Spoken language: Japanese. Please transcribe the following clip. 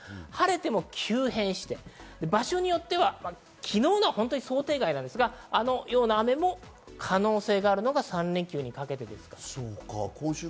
ただ急変して場所によっては昨日は想定外だったんですけれども、あのような雨も可能性があるのが３連休にかけてです。